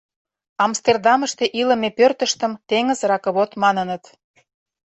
Амстердамыште илыме пӧртыштым “Теҥыз ракывод” маныныт.